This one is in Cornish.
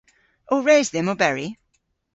O res dhymm oberi?